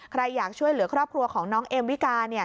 อยากช่วยเหลือครอบครัวของน้องเอมวิกา